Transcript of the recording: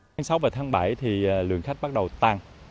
tháng sáu và tháng bảy thì lượng khách bắt đầu tăng